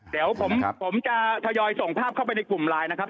เดี๋ยวผมจะทยอยส่งภาพเข้าไปในกลุ่มไลน์นะครับ